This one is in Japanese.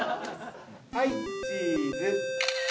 はいチーズ。